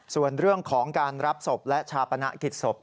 ส่วนเรื่องของการรับศพและชาปนกิจศพ